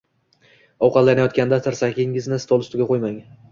Ovqatlanayotganda tirsagingizni stol ustiga qo‘ymang.